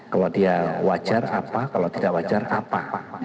kalau dia wajar apa kalau tidak wajar apa